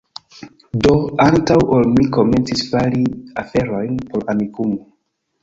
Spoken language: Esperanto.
Do, antaŭ ol mi komencis fari aferojn por Amikumu